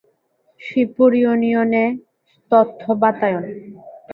শিবপুর ইউনিয়নের তথ্য বাতায়ন